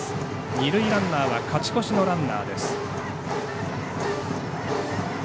二塁ランナーは勝ち越しのランナーです。